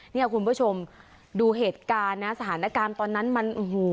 นี่คุณผู้ชมดูเหตุการณ์สถานการณ์ตอนนั้นมัน